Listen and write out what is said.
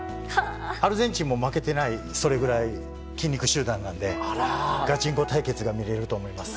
アルゼンチンも負けてない、それぐらい筋肉集団なんで、ガチンコ対決が見れると思います。